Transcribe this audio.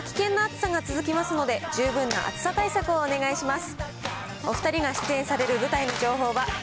日中は危険な暑さが続きますので、十分な暑さ対策をお願いします。